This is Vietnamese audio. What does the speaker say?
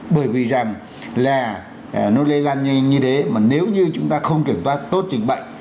bởi vì rằng là nó lây lan nhanh như thế mà nếu như chúng ta không kiểm soát tốt dịch bệnh